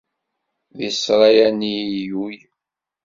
Deg ssṛaya-nni i ilul.